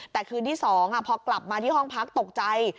แต่คืนที่๒พอกลับมาที่ห้องพักตกใจ